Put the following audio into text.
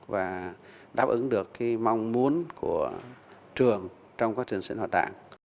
và đáp ứng được mong muốn của trường trong quá trình sinh hoạt đảng